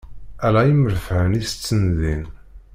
Ala imreffhen i itetten din.